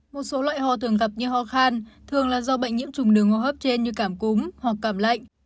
một số loại hò thường gặp như hò khan thường là do bệnh nhiễm trùng đường hô hấp trên như cảm cúng hoặc cảm lạnh